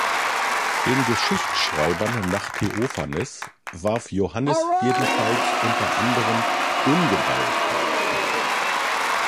Den Geschichtsschreibern nach Theophanes warf Johannes jedenfalls unter anderem Ungenauigkeit vor.